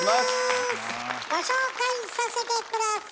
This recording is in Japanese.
ご紹介させて下さい！